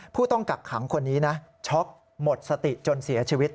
ผู้ต้องกักขังคนนี้นะช็อกหมดสติจนเสียชีวิต